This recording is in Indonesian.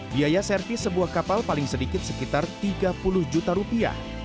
biaya servis sebuah kapal paling sedikit sekitar tiga puluh juta rupiah